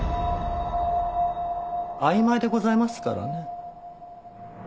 曖昧でございますからね。